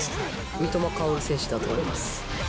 三笘薫選手だと思います。